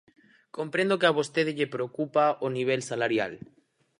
Comprendo que a vostede lle preocupa o nivel salarial.